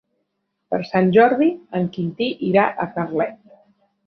Per Sant Jordi en Quintí irà a Carlet.